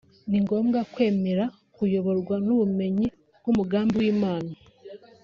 ni ngombwa kwemera kuyoborwa n’ubumenyi bw’umugambi w’Imana